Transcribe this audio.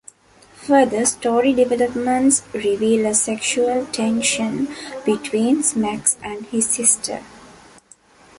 Further story developments reveal a sexual tension between Smax and his sister.